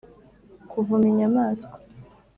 kuvuma inyamaswa,